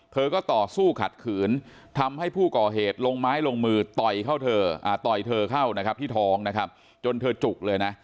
เธอก็ต่อสู้ขัดขืนทำให้ผู้ก่อเหตุลงไม้ลงมือต่อยเธอเข้าที่ทองจนจุกเลยนะ